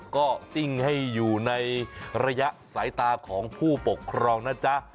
ก็ซิ่งให้อยู่ในระยะสายตาของผู้ปกครองนะจ๊ะ